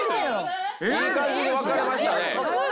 いい感じに分かれましたね。